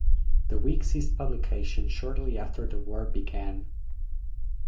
"The Week" ceased publication shortly after the war began.